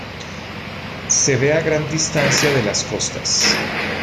Se ve a gran distancia de las costas.